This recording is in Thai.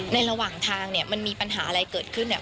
ระหว่างทางเนี่ยมันมีปัญหาอะไรเกิดขึ้นเนี่ย